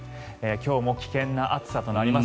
今日も危険な暑さとなります。